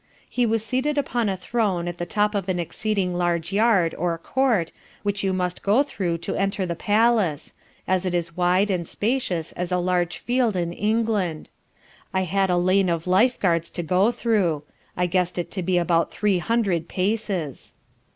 He was seated upon a throne at the top of an exceeding large yard, or court, which you must go through to enter the palace, it is as wide and spacious as a large field in England. I had a lane of lifeguards to go through. I guessed it to be about three hundred paces.